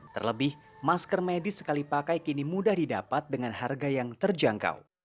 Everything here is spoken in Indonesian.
terlebih masker medis sekali pakai kini mudah didapat dengan harga yang terjangkau